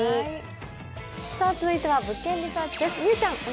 続いては「物件リサーチ」です。